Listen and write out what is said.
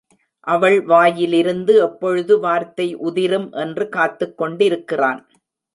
அவள் வாயிலிருந்து எப்பொழுது வார்த்தை உதிரும் என்று காத்துக் கொண்டிருக்கிறான்.